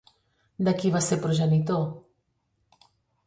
De qui va ser progenitor?